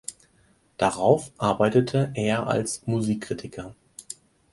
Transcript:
Darauf arbeitete er als Musikkritiker.